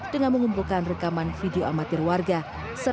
dengan mengumpulkan rekaman video amatir warga